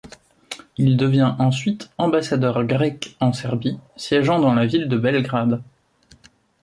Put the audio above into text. Il devient ensuite ambassadeur grec en Serbie, siégeant dans la ville de Belgrade.